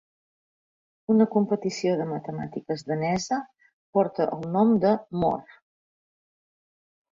Una competició de matemàtiques danesa porta el nom de Mohr.